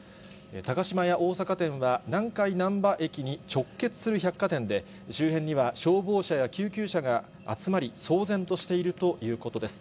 高島屋大阪店は、南海なんば駅に直結する百貨店で、周辺には消防車や救急車が集まり、騒然としているということです。